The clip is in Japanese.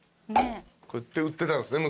こうやって売ってたんですね